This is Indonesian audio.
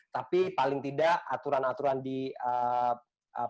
tapi paling tidak aturan aturan di pemerintahan